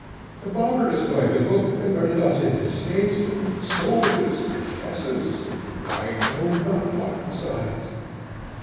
The barbarous Leuwenhock converted us into statesmen, soldiers, professors, and I know not what besides.